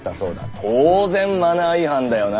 当然マナー違反だよな。